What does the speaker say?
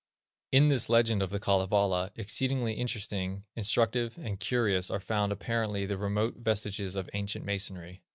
In this legend of The Kalevala, exceedingly interesting, instructive, and curious, are found, apparently, the remote vestiges of ancient Masonry.